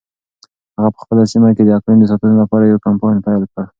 هغه په خپله سیمه کې د اقلیم د ساتنې لپاره یو کمپاین پیل کړ.